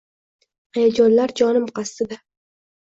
Hayajonlar jonim qasdida.